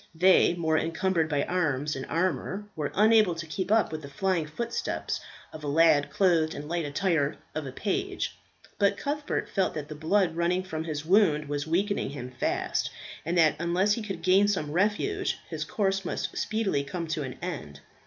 They, more encumbered by arms and armour, were unable to keep up with the flying footsteps of a lad clothed in the light attire of a page; but Cuthbert felt that the blood running from his wound was weakening him fast, and that unless he could gain some refuge his course must speedily come to an end.